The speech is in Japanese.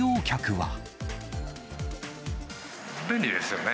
便利ですよね。